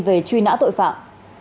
về truy nã tội phạm